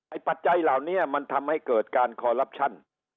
ปัจจัยเหล่านี้มันทำให้เกิดการคอลลับชั่น